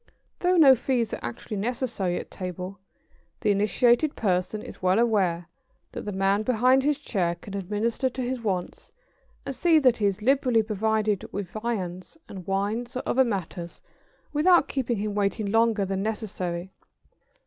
Though no fees are actually necessary at table, the initiated person is well aware that the man behind his chair can administer to his wants and see that he is liberally provided with viands and wines or other matters without keeping him waiting longer than necessary.